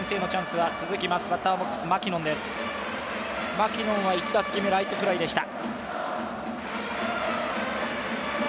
マキノンは１打席目、ライトフライでした。